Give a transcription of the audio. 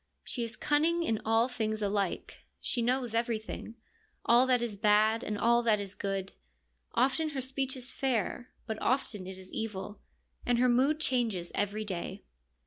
She is cunning in all things alike ; she knows everything, all that is bad and all that is good ; often her speech is fair, but often it is evil, and her mood changes every day.